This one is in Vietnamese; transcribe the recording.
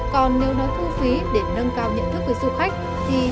còn nếu nói thu phí để nâng cao nhận thức với du khách